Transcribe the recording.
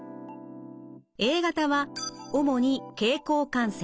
Ａ型は主に経口感染。